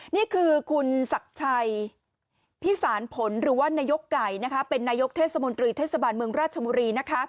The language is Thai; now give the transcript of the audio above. นี่คือคุณศักดิ์ชัยพิสารผลหรือว่านายกไก่เป็นนายกเทศมนตรีเทศบาลเมืองราชบุรี